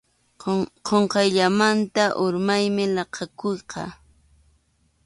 Qunqayllamanta urmaymi laqʼakuyqa.